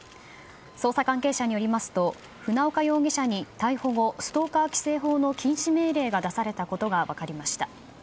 捜査関係者によりますと船岡容疑者に逮捕後逮捕後、ストーカー規制法の禁止命令が出されたことが分かりました。